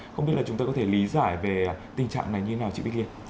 không biết là chúng tôi có thể lý giải về tình trạng này như thế nào chị bích liên